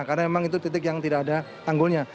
karena memang itu titik yang tidak ada tanggulnya